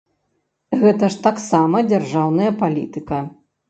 Гэта ж таксама дзяржаўная палітыка.